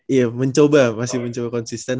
iya mencoba masih mencoba konsisten